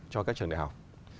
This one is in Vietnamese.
cho các trường đại học